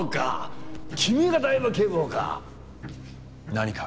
何か？